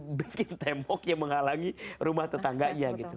membuat tembok yang menghalangi rumah tetangganya gitu